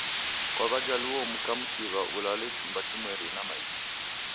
Kwa Wajaluo mka mkiw'a ulale chumba chimweri na maiti.